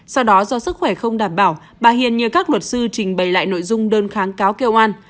sau đó do sức khỏe không đảm bảo bà hiền nhờ các luật sư trình bày lại nội dung đơn kháng cáo kêu an